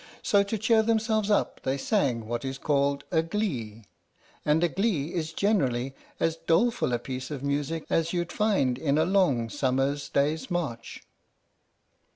So to cheer themselves up they sang what is called a "glee," and a glee is generally as doleful a piece of music as you'd find in a long summer's day's march.